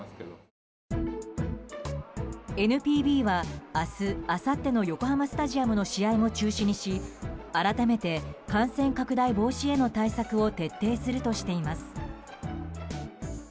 ＮＰＢは明日、あさっての横浜スタジアムの試合も中止にし改めて感染拡大防止への対策を徹底するとしています。